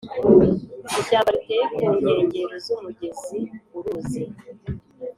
Ishyamba riteye ku nkengero z umugezi uruzi